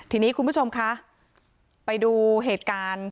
ทีนี้คุณผู้ชมคะไปดูเหตุการณ์